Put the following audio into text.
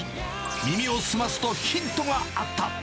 耳を澄ますとヒントがあった！